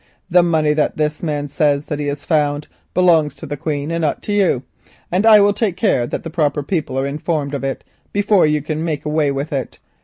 The money which this man says that he has found belongs to the Queen, not to you, and I will take care that the proper people are informed of it before you can make away with it.